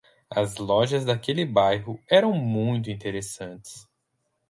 As lojas daquele bairro eram muito interessantes.